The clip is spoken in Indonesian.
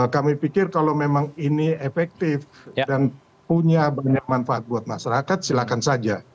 kami pikir kalau memang ini efektif dan punya banyak manfaat buat masyarakat silakan saja